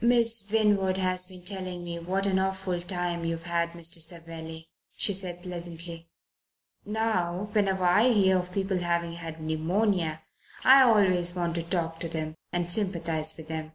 "Miss Winwood has been telling me what an awful time you've had, Mr. Savelli," she said pleasantly. "Now, whenever I hear of people having had pneumonia I always want to talk to them and sympathize with them."